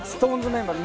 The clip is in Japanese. メンバー